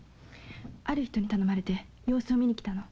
ある人に頼まれて様子を見に。